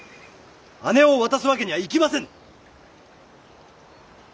姉を渡すわけにはいきませぬ！